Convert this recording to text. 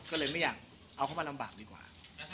ก็เลยไม่อยากเอาเขามาลำบากดีกว่า